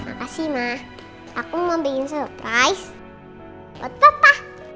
makasih ma aku mau bikin surprise buat papa